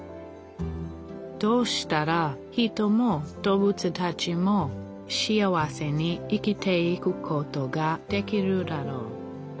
どうしたら人も動物たちも幸せに生きていくことができるだろう。